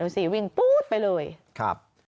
สิวิ่งปู๊ดไปเลยครับ